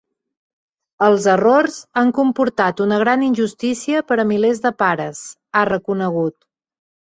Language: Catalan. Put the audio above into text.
“Els errors han comportat una gran injustícia per a milers de pares”, ha reconegut.